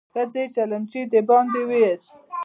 ښځې چلمچي د باندې ويست.